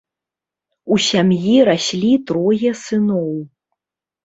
У сям'і раслі трое сыноў.